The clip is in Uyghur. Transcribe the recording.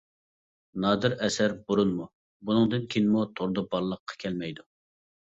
نادىر ئەسەر بۇرۇنمۇ، بۇندىن كېيىنمۇ توردا بارلىققا كەلمەيدۇ.